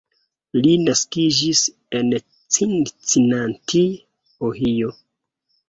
Li naskiĝis en Cincinnati, Ohio.